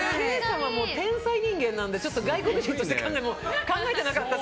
天才人間なので外国人として考えてなかった。